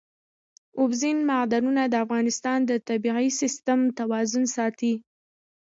اوبزین معدنونه د افغانستان د طبعي سیسټم توازن ساتي.